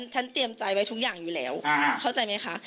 เตรียมใจไว้ทุกอย่างอยู่แล้วเข้าใจไหมคะ